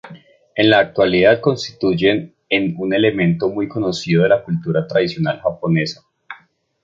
En la actualidad constituyen un elemento muy conocido de la cultura tradicional japonesa.